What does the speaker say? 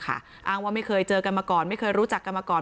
อ้างว่าไม่เคยเจอกันมาก่อนไม่เคยรู้จักกันมาก่อน